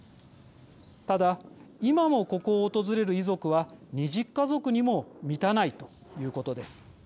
ただ、今もここを訪れる遺族は２０家族にも満たないということです。